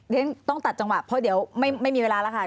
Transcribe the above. ฉันต้องตัดจังหวะเพราะเดี๋ยวไม่มีเวลาแล้วค่ะ